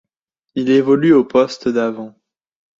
Il évolue au poste d'avant.